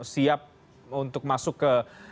siap untuk masuk ke